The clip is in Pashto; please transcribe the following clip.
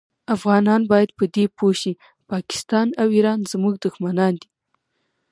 افغانان باید په دي پوه شي پاکستان او ایران زمونږ دوښمنان دي